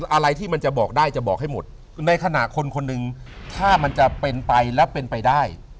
อะไรที่มันจะบอกได้จะบอกให้หมดในขณะคนคนหนึ่งถ้ามันจะเป็นไปแล้วเป็นไปได้